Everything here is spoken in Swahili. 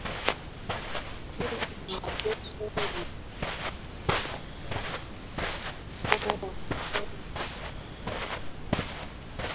Ukali wa mateso ulitegemea siasa ya wakuu wa mikoa ya Kiroma Wakati